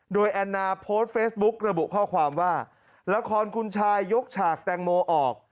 โดยแอนนาโพสต์เฟซบุ๊กระบุข้อความว่าละครคุณชายยกฉากแตงโมออก